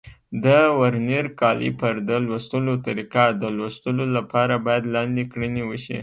د ورنیر کالیپر د لوستلو طریقه: د لوستلو لپاره باید لاندې کړنې وشي.